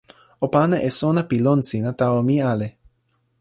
o pana e sona pi lon sina tawa mi ale.